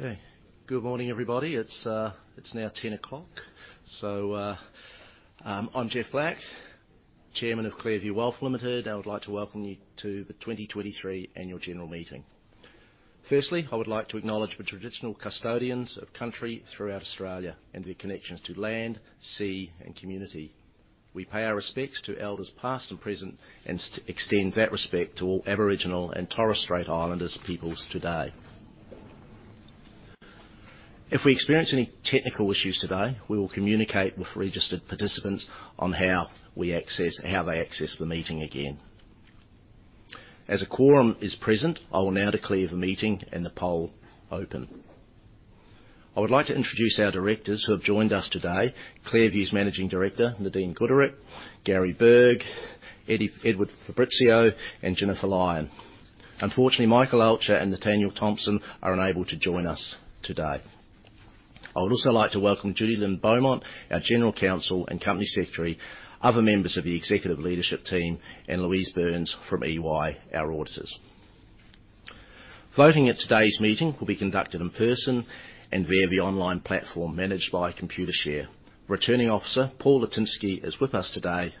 Okay. Good morning, everybody. It's now 10:00 A.M. So, I'm Geoff Black, Chairman of ClearView Wealth Limited. I would like to welcome you to the 2023 Annual General Meeting. Firstly, I would like to acknowledge the traditional custodians of country throughout Australia and their connections to land, sea, and community. We pay our respects to elders, past and present, and extend that respect to all Aboriginal and Torres Strait Islanders peoples today. If we experience any technical issues today, we will communicate with registered participants on how they access the meeting again. As a quorum is present, I will now declare the meeting and the poll open. I would like to introduce our directors who have joined us today: ClearView's Managing Director, Nadine Gooderick, Gary Burg, Edward Fabrizio, and Jennifer Lyon. Unfortunately, Michael Alscher and Nathanial Thomson are unable to join us today. I would also like to welcome Judilyn Beaumont, our General Counsel and Company Secretary, other members of the executive leadership team, and Louise Burns from EY, our auditors. Voting at today's meeting will be conducted in person and via the online platform managed by Computershare. Returning Officer, Paul Latinsky, is with us today.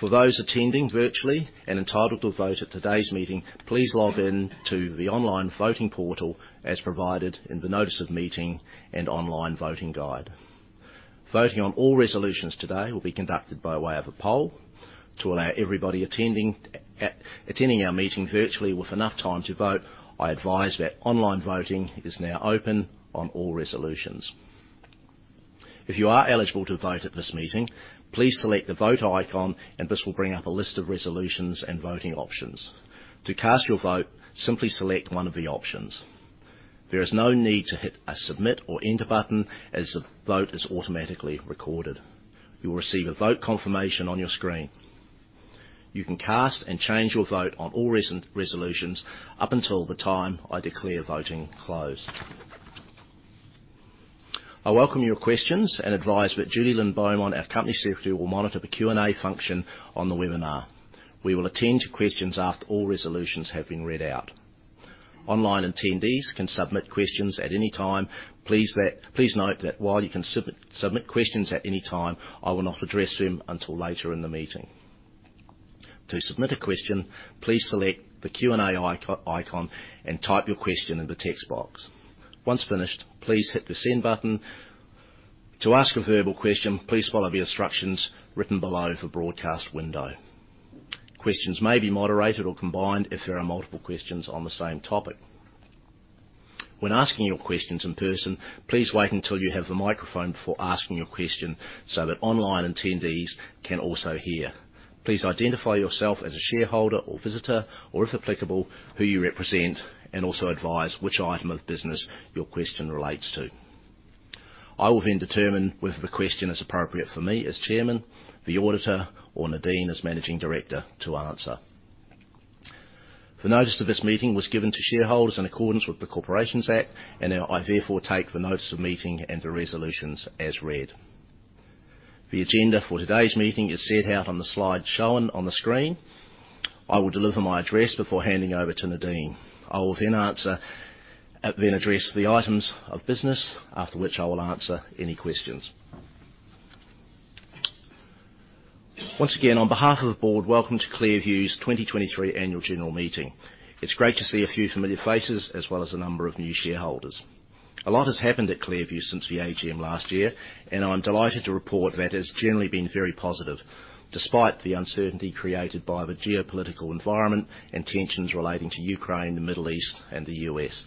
For those attending virtually and entitled to vote at today's meeting, please log in to the Online Voting Portal as provided in the Notice of Meeting and Online Voting Guide. Voting on all resolutions today will be conducted by way of a poll. To allow everybody attending, attending our meeting virtually with enough time to vote, I advise that online voting is now open on all resolutions. If you are eligible to vote at this meeting, please select the Vote icon, and this will bring up a list of resolutions and voting options. To cast your vote, simply select one of the options. There is no need to hit a Submit or Enter button, as the vote is automatically recorded. You will receive a vote confirmation on your screen. You can cast and change your vote on all resolutions up until the time I declare voting closed. I welcome your questions and advise that Judilyn Beaumont, our Company Secretary, will monitor the Q&A function on the webinar. We will attend to questions after all resolutions have been read out. Online attendees can submit questions at any time. Please note that while you can submit questions at any time, I will not address them until later in the meeting. To submit a question, please select the Q&A icon and type your question in the text box. Once finished, please hit the Send button. To ask a verbal question, please follow the instructions written below the broadcast window. Questions may be moderated or combined if there are multiple questions on the same topic. When asking your questions in person, please wait until you have the microphone before asking your question so that online attendees can also hear. Please identify yourself as a shareholder or visitor, or, if applicable, who you represent, and also advise which item of business your question relates to. I will then determine whether the question is appropriate for me as Chairman, the auditor, or Nadine as Managing Director, to answer. The notice of this meeting was given to shareholders in accordance with the Corporations Act, and I therefore take the Notice of Meeting and the Resolutions as read. The agenda for today's meeting is set out on the slide shown on the screen. I will deliver my address before handing over to Nadine. I will then answer. I will then address the items of business, after which I will answer any questions. Once again, on behalf of the board, welcome to ClearView's 2023 Annual General Meeting. It's great to see a few familiar faces as well as a number of new shareholders. A lot has happened at ClearView since the AGM last year, and I'm delighted to report that it's generally been very positive, despite the uncertainty created by the geopolitical environment and tensions relating to Ukraine, the Middle East, and the U.S.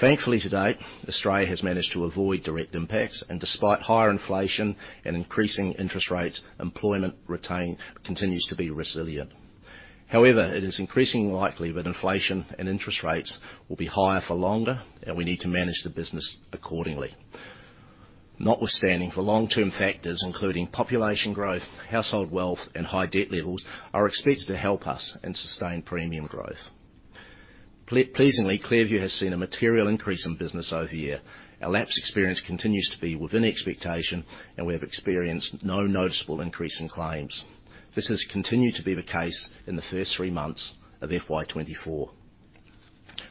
Thankfully, to date, Australia has managed to avoid direct impacts, and despite higher inflation and increasing interest rates, employment retention continues to be resilient. However, it is increasingly likely that inflation and interest rates will be higher for longer, and we need to manage the business accordingly. Notwithstanding, the long-term factors, including population growth, household wealth, and high debt levels, are expected to help us in sustained premium growth. Pleasingly, ClearView has seen a material increase in business over year. Our lapse experience continues to be within expectation, and we have experienced no noticeable increase in claims. This has continued to be the case in the first three months of FY 2024.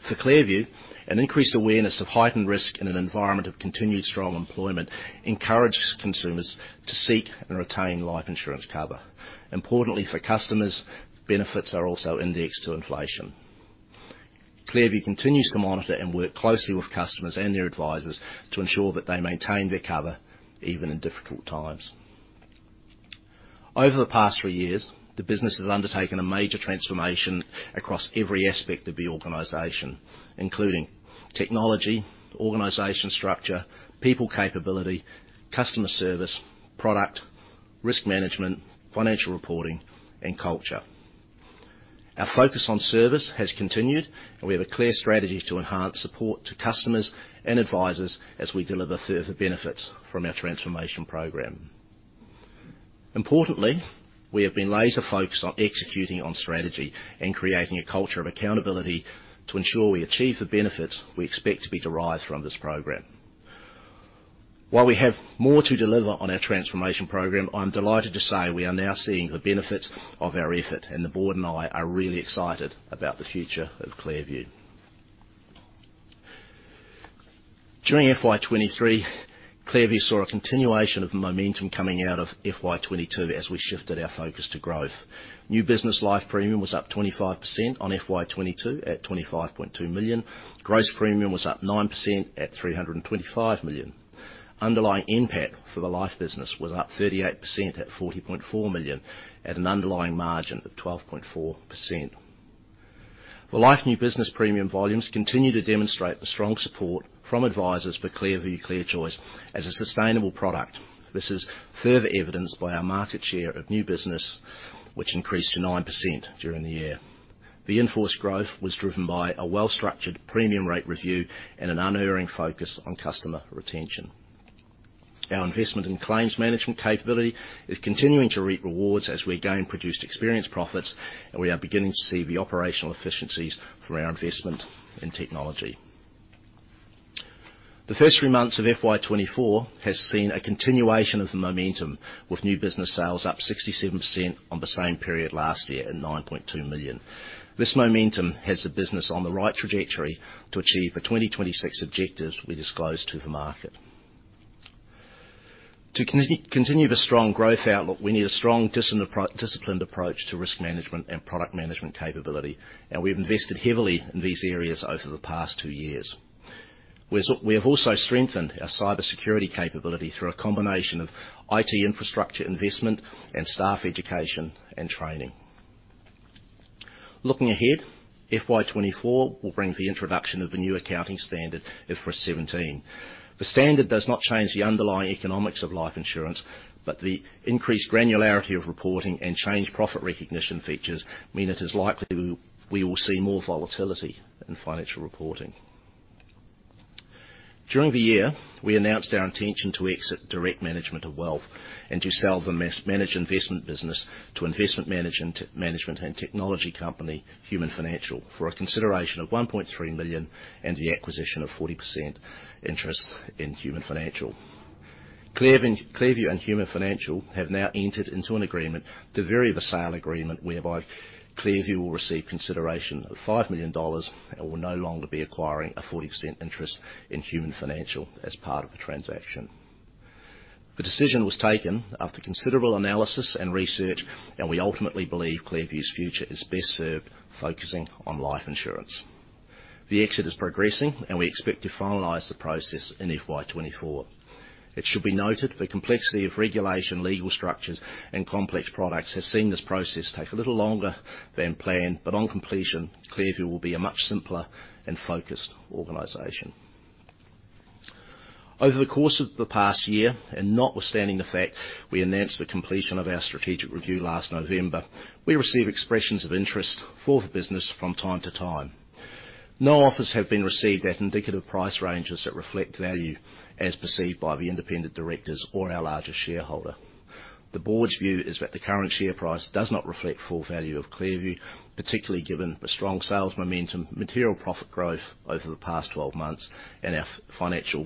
For ClearView, an increased awareness of heightened risk in an environment of continued strong employment encourages consumers to seek and retain life insurance cover. Importantly, for customers, benefits are also indexed to inflation. ClearView continues to monitor and work closely with customers and their advisors to ensure that they maintain their cover even in difficult times. Over the past three years, the business has undertaken a major transformation across every aspect of the organization, including technology, organization structure, people capability, customer service, product, risk management, financial reporting, and culture. Our focus on service has continued, and we have a clear strategy to enhance support to customers and advisors as we deliver further benefits from our transformation program. Importantly, we have been laser-focused on executing on strategy and creating a culture of accountability to ensure we achieve the benefits we expect to be derived from this program. While we have more to deliver on our transformation program, I'm delighted to say we are now seeing the benefits of our effort, and the board and I are really excited about the future of ClearView. During FY 2023, ClearView saw a continuation of the momentum coming out of FY 2022 as we shifted our focus to growth. New business life premium was up 25% on FY 2022 at AUD 25.2 million. Gross premium was up 9% at 325 million. Underlying NPAT for the life business was up 38% at 40.4 million, at an underlying margin of 12.4%. The life new business premium volumes continue to demonstrate the strong support from advisors for ClearView ClearChoice as a sustainable product. This is further evidenced by our market share of new business, which increased to 9% during the year. The in-force growth was driven by a well-structured premium rate review and an unerring focus on customer retention. Our investment in claims management capability is continuing to reap rewards as we gain produced experience profits, and we are beginning to see the operational efficiencies from our investment in technology. The first three months of FY 2024 has seen a continuation of the momentum, with new business sales up 67% on the same period last year at 9.2 million. This momentum has the business on the right trajectory to achieve the 2026 objectives we disclosed to the market. To continue the strong growth outlook, we need a strong, disciplined approach to risk management and product management capability, and we've invested heavily in these areas over the past two years. We have also strengthened our cybersecurity capability through a combination of IT infrastructure investment and staff education and training. Looking ahead, FY 2024 will bring the introduction of the new accounting standard, IFRS 17. The standard does not change the underlying economics of life insurance, but the increased granularity of reporting and change profit recognition features mean it is likely we will see more volatility in financial reporting. During the year, we announced our intention to exit direct management of wealth and to sell the mass managed investment business to investment management and technology company, Human Financial, for a consideration of 1.3 million and the acquisition of 40% interest in Human Financial. ClearView and Human Financial have now entered into an agreement to vary the sale agreement, whereby ClearView will receive consideration of 5 million dollars and will no longer be acquiring a 40% interest in Human Financial as part of the transaction. The decision was taken after considerable analysis and research, and we ultimately believe ClearView's future is best served focusing on life insurance. The exit is progressing, and we expect to finalize the process in FY 2024. It should be noted, the complexity of regulation, legal structures, and complex products has seen this process take a little longer than planned, but on completion, ClearView will be a much simpler and focused organization. Over the course of the past year, and notwithstanding the fact we announced the completion of our strategic review last November, we receive expressions of interest for the business from time to time. No offers have been received at indicative price ranges that reflect value, as perceived by the independent directors or our largest shareholder. The board's view is that the current share price does not reflect full value of ClearView, particularly given the strong sales momentum, material profit growth over the past twelve months, and our financial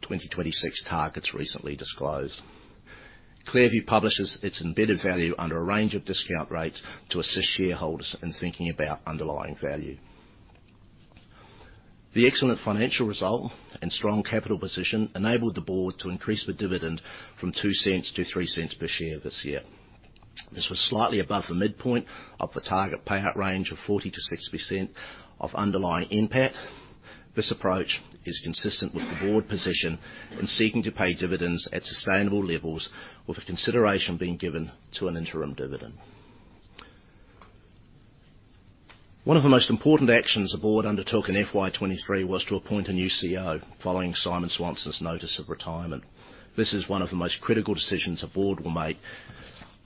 2026 targets recently disclosed. ClearView publishes its embedded value under a range of discount rates to assist shareholders in thinking about underlying value. The excellent financial result and strong capital position enabled the board to increase the dividend from 0.02-0.03 per share this year. This was slightly above the midpoint of the target payout range of 40%-60% of underlying NPAT. This approach is consistent with the board position in seeking to pay dividends at sustainable levels, with consideration being given to an interim dividend. One of the most important actions the board undertook in FY 2023 was to appoint a new CEO, following Simon Swanson's notice of retirement. This is one of the most critical decisions a board will make.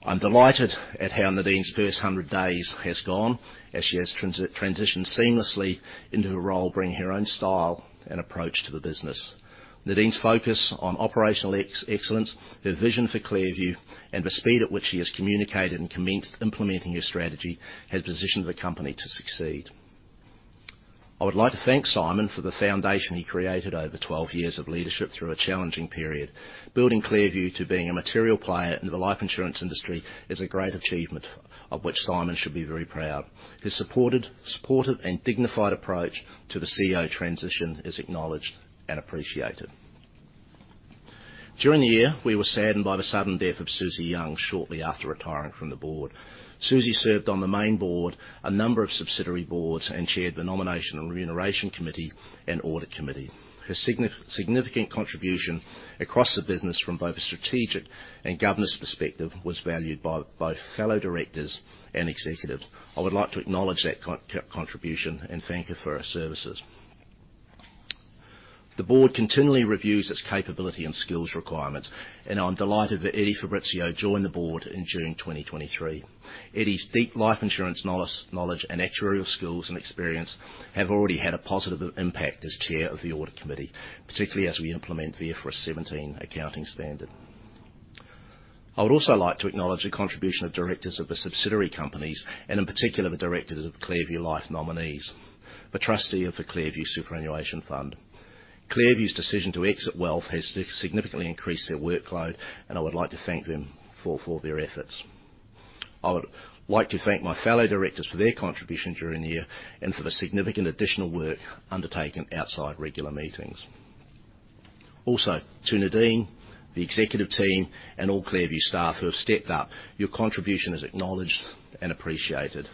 I'm delighted at how Nadine's first 100 days has gone, as she has transitioned seamlessly into her role, bringing her own style and approach to the business. Nadine's focus on operational excellence, her vision for ClearView, and the speed at which she has communicated and commenced implementing her strategy, has positioned the company to succeed. I would like to thank Simon for the foundation he created over 12 years of leadership through a challenging period. Building ClearView to being a material player in the life insurance industry is a great achievement, of which Simon should be very proud. His supportive and dignified approach to the CEO transition is acknowledged and appreciated. During the year, we were saddened by the sudden death of Susie Young shortly after retiring from the board. Susie served on the main board, a number of subsidiary boards, and chaired the Nomination and Remuneration Committee and Audit Committee. Her significant contribution across the business from both a strategic and governance perspective was valued by both fellow directors and executives. I would like to acknowledge that contribution and thank her for her services. The board continually reviews its capability and skills requirements, and I'm delighted that Eddie Fabrizio joined the board in June 2023. Eddie's deep life insurance knowledge, and actuarial skills and experience have already had a positive impact as chair of the Audit Committee, particularly as we implement the IFRS 17 accounting standard. I would also like to acknowledge the contribution of directors of the subsidiary companies, and in particular, the directors of ClearView Life Nominees, the trustee of the ClearView Superannuation Fund. ClearView's decision to exit Wealth has significantly increased their workload, and I would like to thank them for their efforts. I would like to thank my fellow directors for their contribution during the year, and for the significant additional work undertaken outside regular meetings. Also, to Nadine, the executive team, and all ClearView staff who have stepped up, your contribution is acknowledged and appreciated.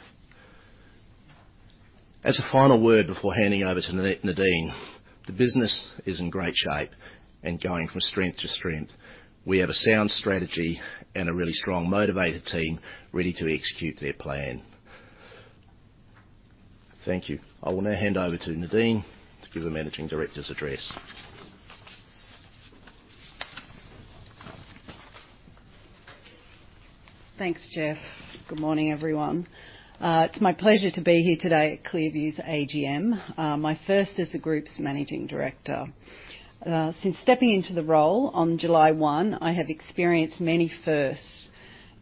As a final word, before handing over to Nadine, the business is in great shape and going from strength to strength. We have a sound strategy and a really strong, motivated team ready to execute their plan. Thank you. I will now hand over to Nadine to give the managing director's address. Thanks, Geoff. Good morning, everyone. It's my pleasure to be here today at ClearView's AGM, my first as the group's managing director. Since stepping into the role on July 1, I have experienced many firsts.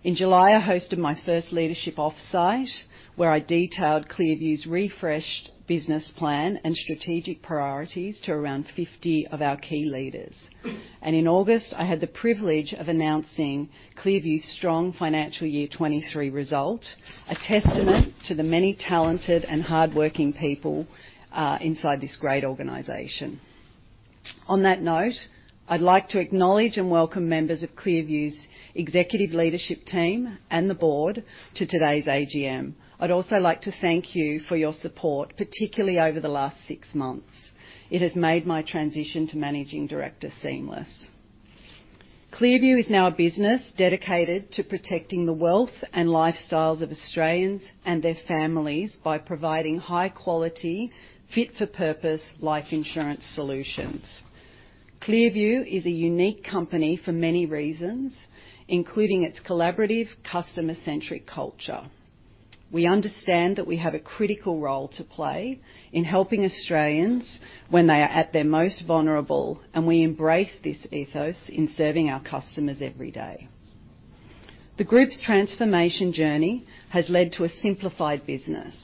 In July, I hosted my first leadership offsite, where I detailed ClearView's refreshed business plan and strategic priorities to around 50 of our key leaders. In August, I had the privilege of announcing ClearView's strong financial year 2023 result, a testament to the many talented and hardworking people inside this great organization. On that note, I'd like to acknowledge and welcome members of ClearView's executive leadership team and the board to today's AGM. I'd also like to thank you for your support, particularly over the last 6 months. It has made my transition to managing director seamless. ClearView is now a business dedicated to protecting the wealth and lifestyles of Australians and their families by providing high quality, fit-for-purpose life insurance solutions. ClearView is a unique company for many reasons, including its collaborative, customer-centric culture. We understand that we have a critical role to play in helping Australians when they are at their most vulnerable, and we embrace this ethos in serving our customers every day. The group's transformation journey has led to a simplified business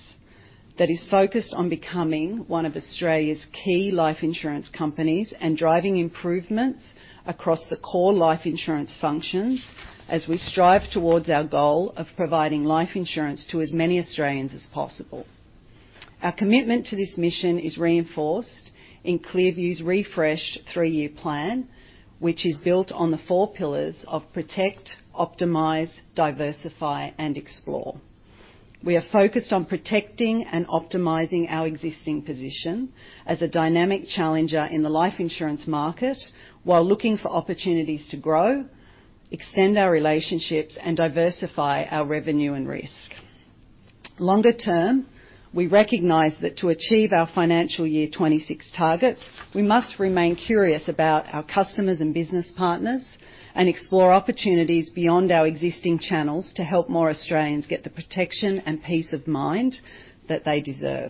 that is focused on becoming one of Australia's key life insurance companies, and driving improvements across the core life insurance functions as we strive towards our goal of providing life insurance to as many Australians as possible. Our commitment to this mission is reinforced in ClearView's refreshed three-year plan, which is built on the four pillars of protect, optimize, diversify, and explore. We are focused on protecting and optimizing our existing position as a dynamic challenger in the life insurance market, while looking for opportunities to grow, extend our relationships, and diversify our revenue and risk. Longer term, we recognize that to achieve our financial year 26 targets, we must remain curious about our customers and business partners, and explore opportunities beyond our existing channels to help more Australians get the protection and peace of mind that they deserve.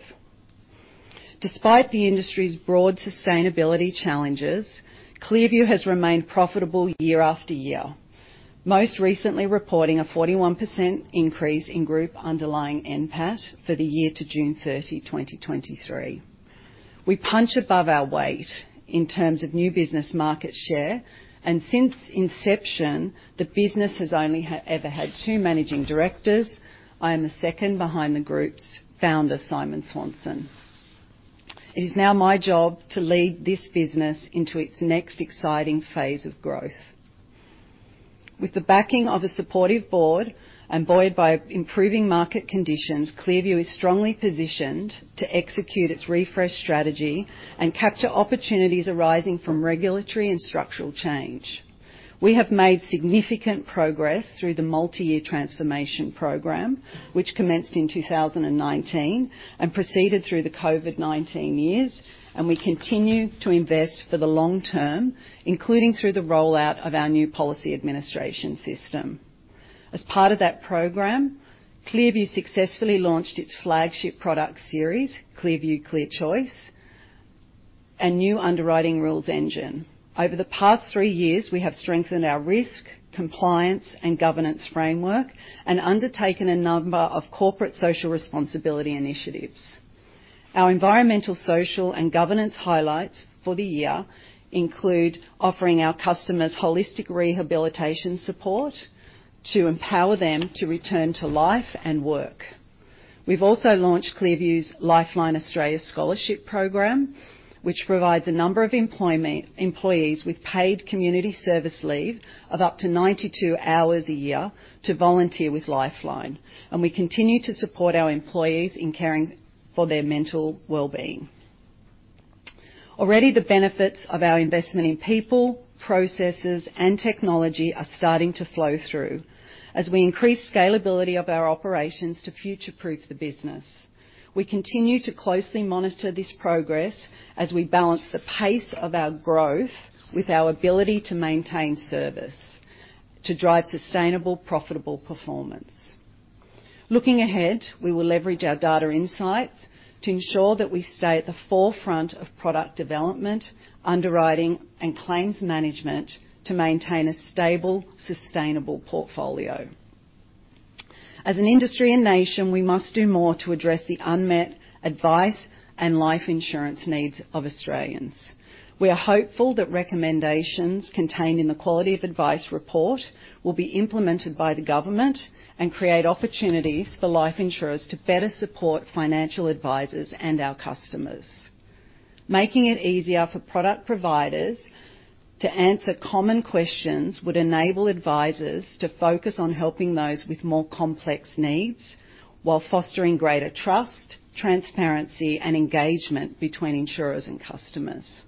Despite the industry's broad sustainability challenges, ClearView has remained profitable year after year, most recently reporting a 41% increase in group underlying NPAT for the year to June 30, 2023. We punch above our weight in terms of new business market share, and since inception, the business has only ever had two managing directors. I am the second behind the group's founder, Simon Swanson. It is now my job to lead this business into its next exciting phase of growth. With the backing of a supportive board and buoyed by improving market conditions, ClearView is strongly positioned to execute its refreshed strategy and capture opportunities arising from regulatory and structural change. We have made significant progress through the multi-year transformation program, which commenced in 2019, and proceeded through the COVID-19 years, and we continue to invest for the long term, including through the rollout of our new policy administration system. As part of that program, ClearView successfully launched its flagship product series, ClearView ClearChoice, and new underwriting rules engine. Over the past three years, we have strengthened our risk, compliance, and governance framework, and undertaken a number of corporate social responsibility initiatives. Our environmental, social, and governance highlights for the year include offering our customers holistic rehabilitation support to empower them to return to life and work. We've also launched ClearView's Lifeline Australia Scholarship Program, which provides a number of employees with paid community service leave of up to 92 hours a year to volunteer with Lifeline, and we continue to support our employees in caring for their mental wellbeing. Already, the benefits of our investment in people, processes, and technology are starting to flow through as we increase scalability of our operations to future-proof the business. We continue to closely monitor this progress as we balance the pace of our growth with our ability to maintain service, to drive sustainable, profitable performance. Looking ahead, we will leverage our data insights to ensure that we stay at the forefront of product development, underwriting, and claims management to maintain a stable, sustainable portfolio. As an industry and nation, we must do more to address the unmet advice and life insurance needs of Australians. We are hopeful that recommendations contained in the Quality of Advice Report will be implemented by the government and create opportunities for life insurers to better support financial advisors and our customers. Making it easier for product providers to answer common questions would enable advisors to focus on helping those with more complex needs, while fostering greater trust, transparency, and engagement between insurers and customers.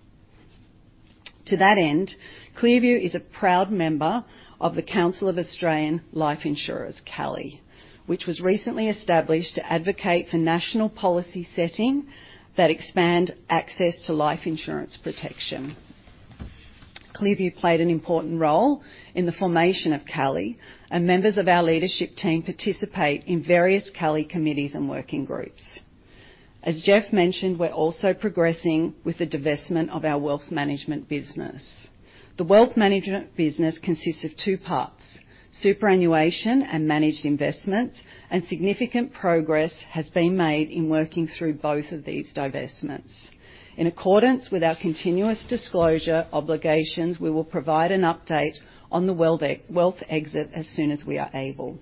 To that end, ClearView is a proud member of the Council of Australian Life Insurers, CALI, which was recently established to advocate for national policy setting that expand access to life insurance protection. ClearView played an important role in the formation of CALI, and members of our leadership team participate in various CALI committees and working groups. As Geoff mentioned, we're also progressing with the divestment of our wealth management business. The wealth management business consists of two parts: superannuation and managed investment, and significant progress has been made in working through both of these divestments. In accordance with our continuous disclosure obligations, we will provide an update on the wealth exit as soon as we are able.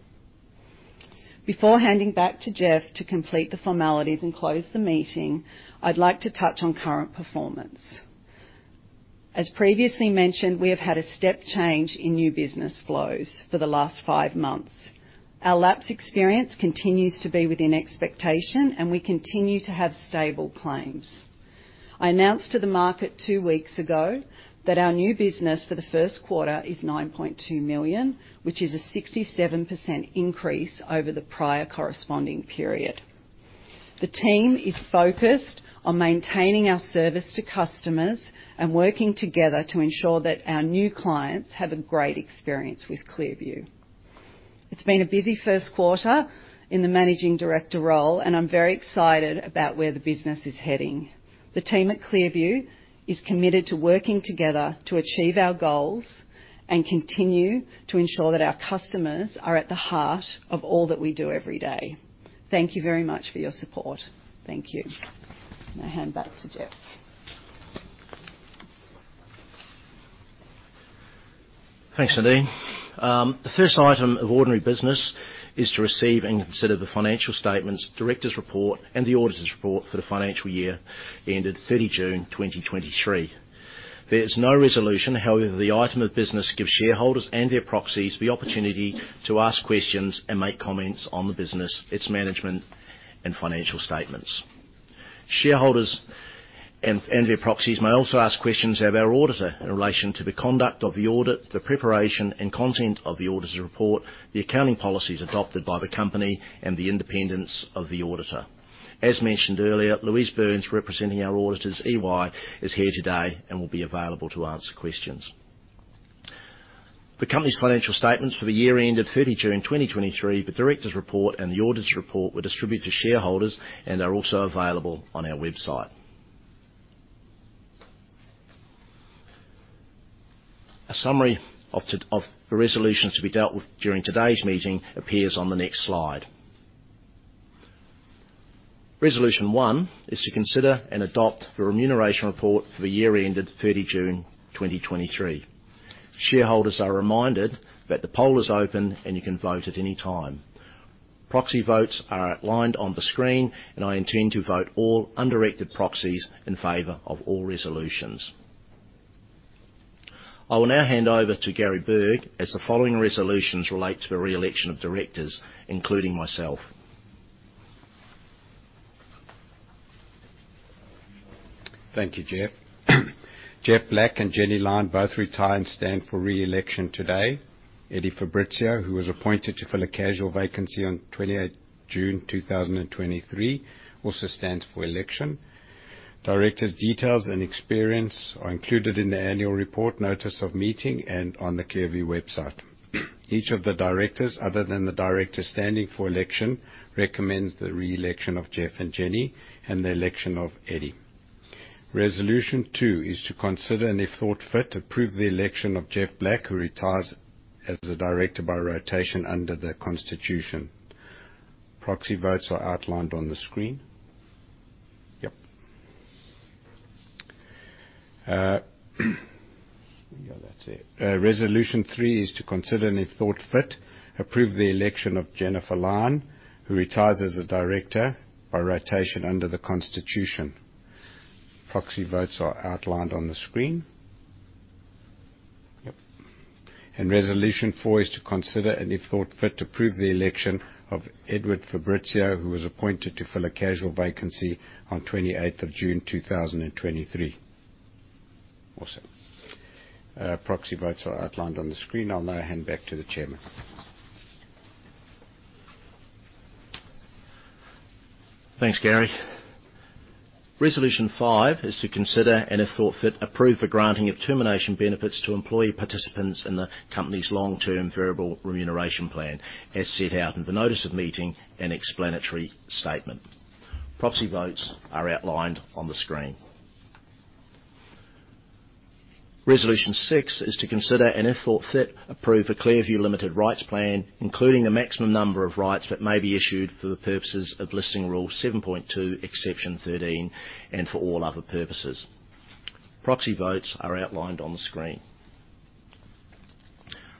Before handing back to Geoff to complete the formalities and close the meeting, I'd like to touch on current performance. As previously mentioned, we have had a step change in new business flows for the last five months. Our lapse experience continues to be within expectation, and we continue to have stable claims. I announced to the market two weeks ago that our new business for the first quarter is 9.2 million, which is a 67% increase over the prior corresponding period. The team is focused on maintaining our service to customers and working together to ensure that our new clients have a great experience with ClearView. It's been a busy first quarter in the managing director role, and I'm very excited about where the business is heading. The team at ClearView is committed to working together to achieve our goals and continue to ensure that our customers are at the heart of all that we do every day. Thank you very much for your support. Thank you. I'm going to hand back to Geoff. Thanks, Nadine. The first item of ordinary business is to receive and consider the Financial Statements, Directors' Report, and the Auditors' Report for the financial year ended June 30, 2023. There is no resolution; however, the item of business gives shareholders and their proxies the opportunity to ask questions and make comments on the Business, its Management, and Financial Statements. Shareholders and their proxies may also ask questions of our auditor in relation to the conduct of the audit, the preparation and content of the Auditor's Report, the accounting policies adopted by the company, and the independence of the auditor. As mentioned earlier, Louise Burns, representing our auditors, EY, is here today and will be available to answer questions. The company's Financial Statements for the year ended 30 June 2023, the Directors' Report, and the Auditor's Report were distributed to shareholders and are also available on our website. A summary of the resolutions to be dealt with during today's meeting appears on the next slide. Resolution 1 is to consider and adopt the Remuneration Report for the year ended June 30, 2023. Shareholders are reminded that the poll is open, and you can vote at any time. Proxy votes are outlined on the screen, and I intend to vote all undirected proxies in favor of all resolutions. I will now hand over to Gary Burg, as the following resolutions relate to the re-election of directors, including myself. Thank you, Geoff. Geoff Black and Jenny Lyon both retire and stand for re-election today. Eddie Fabrizio, who was appointed to fill a casual vacancy on June 28th, 2023, also stands for election. Directors' details and experience are included in the Annual Report, Notice of Meeting, and on the ClearView website. Each of the directors, other than the directors standing for election, recommends the re-election of Geoff and Jenny and the election of Eddie. Resolution Two is to consider, and if thought fit, approve the election of Geoff Black, who retires as a director by rotation under the Constitution. Proxy votes are outlined on the screen. Yep. We got that there. Resolution Three is to consider, and if thought fit, approve the election of Jennifer Lyon, who retires as a director by rotation under the Constitution. Proxy votes are outlined on the screen. Yep. Resolution Four is to consider, and if thought fit, approve the election of Edward Fabrizio, who was appointed to fill a casual vacancy on the of June 28th, 2023. Awesome. Proxy votes are outlined on the screen. I'll now hand back to the chairman. Thanks, Gary. Resolution Five is to consider, and if thought fit, approve the granting of termination benefits to employee participants in the company's long-term variable remuneration plan, as set out in the Notice of Meeting and Explanatory Statement. Proxy votes are outlined on the screen. Resolution Six is to consider, and if thought fit, approve the ClearView Limited Rights Plan, including the maximum number of rights that may be issued for the purposes of Listing Rule 7.2, Exception 13, and for all other purposes. Proxy votes are outlined on the screen.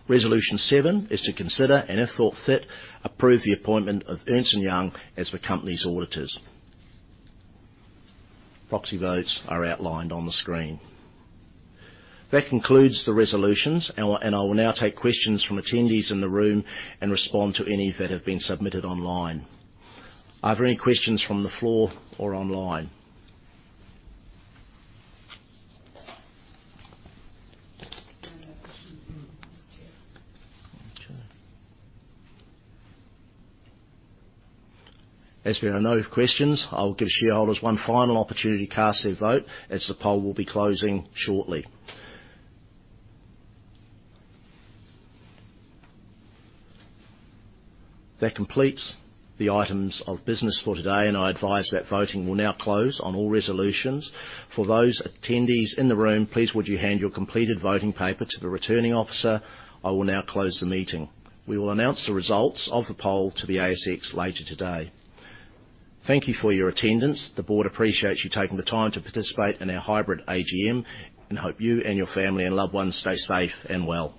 Resolution Seven is to consider, and if thought fit, approve the appointment of Ernst & Young as the company's auditors. Proxy votes are outlined on the screen. That concludes the resolutions, and I will now take questions from attendees in the room and respond to any that have been submitted online. Are there any questions from the floor or online? As there are no questions, I will give shareholders one final opportunity to cast their vote, as the poll will be closing shortly. That completes the items of business for today, and I advise that voting will now close on all resolutions. For those attendees in the room, please would you hand your completed voting paper to the Returning Officer? I will now close the meeting. We will announce the results of the poll to the ASX later today. Thank you for your attendance. The board appreciates you taking the time to participate in our hybrid AGM and hope you and your family and loved ones stay safe and well.